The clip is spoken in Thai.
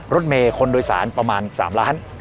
รถเมย์คนโดยสารประมาณ๓ล้าน